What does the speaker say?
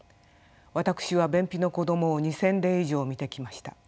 私は便秘の子どもを２，０００例以上診てきました。